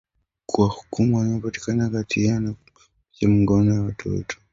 kuwahukumu waliopatikana na hatia ya kuwa na picha za ngono za watoto